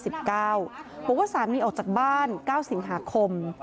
บอกว่าสามีออกจากบ้าน๙สิงหาคม